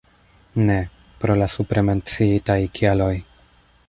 Ne, pro la supremenciitaj kialoj.